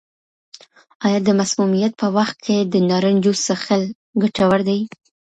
آیا د مسمومیت په وخت کې د نارنج جوس څښل ګټور دي؟